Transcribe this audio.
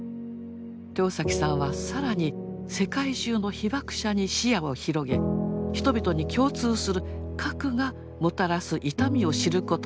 豊さんは更に世界中の被ばく者に視野を広げ人々に共通する核がもたらす痛みを知ることになりました。